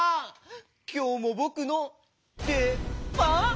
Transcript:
きょうもぼくのでばん？